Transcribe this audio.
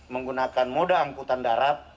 menggunakan moda angkutan darat